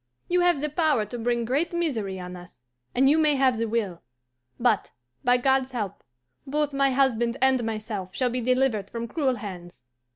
You have the power to bring great misery on us, and you may have the will, but, by God's help, both my husband and myself shall be delivered from cruel hands.